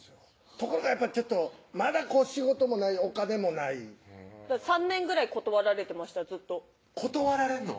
ところがやっぱりちょっとまだ仕事もないお金もない３年ぐらい断られてましたずっと断られんの？